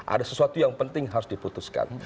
ada sesuatu yang penting harus diputuskan